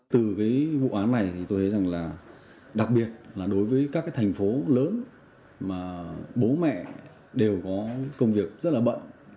từ cái vụ án này thì tôi thấy rằng là đặc biệt là đối với các cái thành phố lớn mà bố mẹ đều có công việc rất là bận